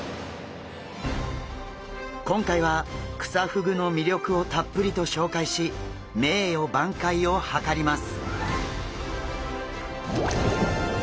今回はクサフグの魅力をたっぷりと紹介し名誉挽回を図ります。